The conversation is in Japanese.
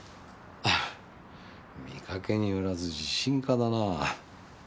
見かけによらず自信家だなぁ。